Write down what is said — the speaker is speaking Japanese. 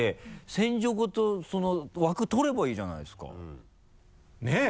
仙女ごとその枠取ればいいじゃないですか。ねぇ？